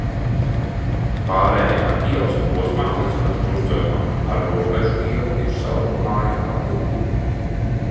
Pārējā ielas posmā līdz pat krustojumam ar Robežu ielu ir savrupmāju apbūve.